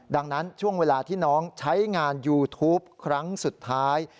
ดังนั้นช่วงเวลาที่น้องใช้งานยูทูปครั้งสุดท้าย